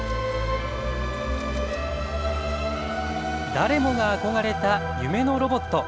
誰もが憧れた夢のロボット。